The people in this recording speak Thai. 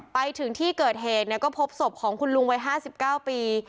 ไปถึงที่เกิดเหตุก็พบศพของคุณลุงวัย๕๙ปี